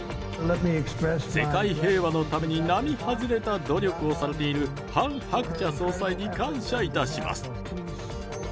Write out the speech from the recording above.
世界平和のために並外れた努力をされているハン・ハクチャ総裁に感謝いたします。